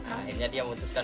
akhirnya dia memutuskan